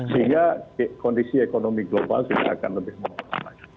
sehingga kondisi ekonomi global sudah akan lebih menguasai